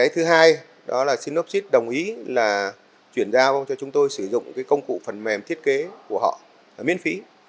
thứ hai synopsis đồng ý chuyển giao cho chúng tôi sử dụng công cụ phần mềm thiết kế của họ miễn phí